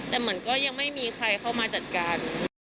แต่เหมือนก็ยังไม่มีใครเข้ามาจัดการ